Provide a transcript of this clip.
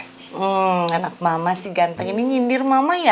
hmm enak mama si ganteng ini nyindir mama ya